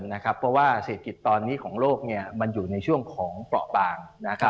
เพราะว่าเศรษฐกิจตอนนี้ของโลกมันอยู่ในช่วงของเปราะบาง